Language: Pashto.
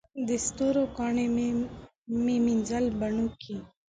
د ستورو کاڼي مې مینځل بڼوکي